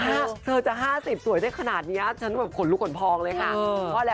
ถ้าเธอจะ๕๐สวยได้ขนาดนี้ฉันแบบขนลุกขนพองเลยค่ะ